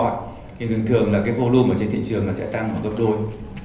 thì thường thường là cái volume ở trên thị trường nó sẽ tăng một cấp đôi